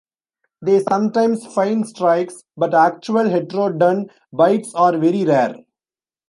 They sometimes feign strikes, but actual "Heterodon" bites are very rare.